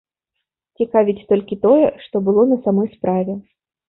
Цікавіць толькі тое, што было на самой справе.